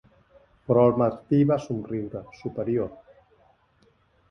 Però el Martí va somriure, superior.